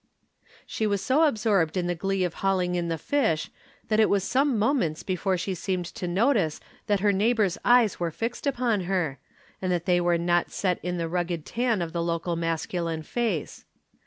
She was so absorbed in the glee of hauling in the fish that it was some moments before she seemed to notice that her neighbor's eyes were fixed upon her, and that they were not set in the rugged tan of the local masculine face.